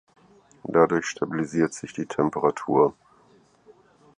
Dadurch stabilisiert sich die Temperatur.